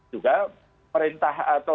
juga perintah atau